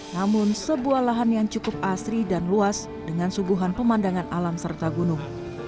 namun sebuah lahan yang cukup asri dan luas dengan suguhan pemandangan alam serta gunung